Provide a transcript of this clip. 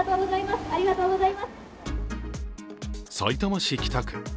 さいたま市北区。